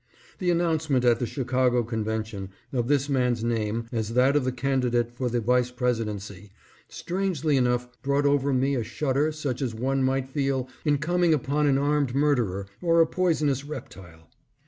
The announcement, at the Chicago Con vention, of this man's name as that of the candidate for the Vice Presidency, strangely enough brought over me a shudder such as one might feel in coming upon an armed murderer or a poisonous reptile.